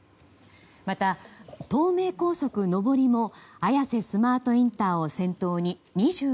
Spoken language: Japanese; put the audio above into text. また東名高速上りの綾瀬スマートインターを先頭に２６ｋｍ。